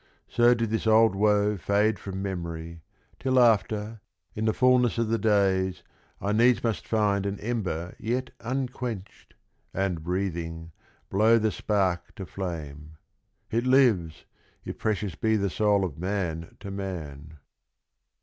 So did this old woe fade from memory : Till after, in the fulness of the days, I needs must find an ember yet unquenched, And, breathing, blow the spark to flame. It lives, If precious be the soul of man to man.